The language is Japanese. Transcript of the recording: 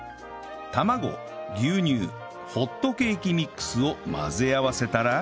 卵牛乳ホットケーキミックスを混ぜ合わせたら